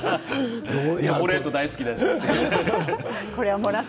チョコレート大好きです。